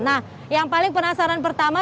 nah yang paling penasaran pertama